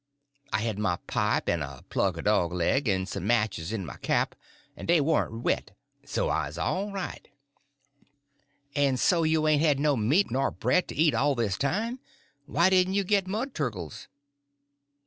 I had my pipe en a plug er dog leg, en some matches in my cap, en dey warn't wet, so I 'uz all right." "And so you ain't had no meat nor bread to eat all this time? Why didn't you get mud turkles?"